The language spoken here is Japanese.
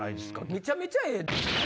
めちゃめちゃええ。